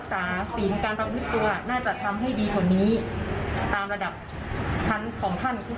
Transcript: ท่านหรือว่าคิดว่าจะมาวันนี้ก็เลยจะมาขอโทษวันนี้